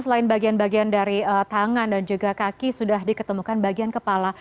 selain bagian bagian dari tangan dan juga kaki sudah diketemukan bagian kepala